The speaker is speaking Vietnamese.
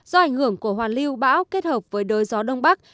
do ảnh hưởng của hoàn lưu bão kết hợp với đới gió đông bắc